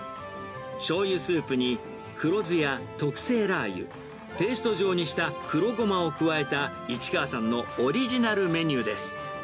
しょうゆスープに黒酢や特製ラー油、ペースト状にした黒ゴマを加えた、市川さんのオリジナルメニューです。